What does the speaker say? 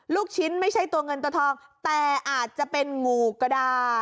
ลูกชิ้นไม่ใช่ตัวเงินตัวทองแต่อาจจะเป็นงูก็ได้